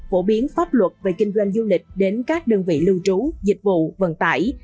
phổ biến pháp luật về kinh doanh du lịch đến các đơn vị lưu trú dịch vụ vận tải